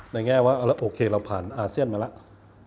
ในแง่ว่าเราผ่านอาเซียนมาแล้ว